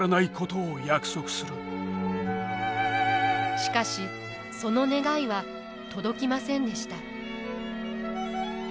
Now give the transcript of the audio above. しかしその願いは届きませんでした。